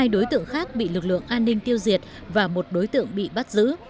hai đối tượng khác bị lực lượng an ninh tiêu diệt và một đối tượng bị bắt giữ